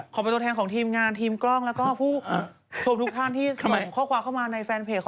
เป็นตัวแทนของทีมงานทีมกล้องแล้วก็ผู้ชมทุกท่านที่ส่งข้อความเข้ามาในแฟนเพจ